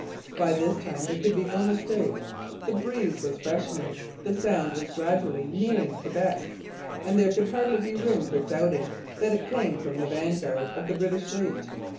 By this time there could be no mistake. The breeze was freshening; the sound was gradually nearing Quebec; and there could hardly be room for doubting that it came from the vanguard of the British fleet.